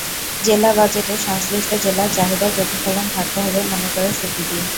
জেলা বাজেটে সংশ্লিষ্ট জেলার চাহিদার প্রতিফলন থাকতে হবে মনে করে সিপিডি।